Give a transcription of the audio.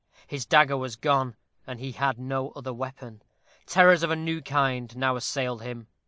His dagger was gone, and he had no other weapon. Terrors of a new kind now assailed him.